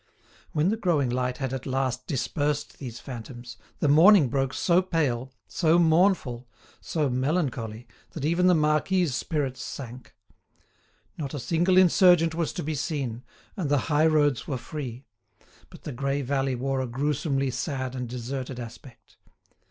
When the growing light had at last dispersed these phantoms, the morning broke so pale, so mournful, so melancholy, that even the marquis's spirits sank. Not a single insurgent was to be seen, and the high roads were free; but the grey valley wore a gruesomely sad and deserted aspect.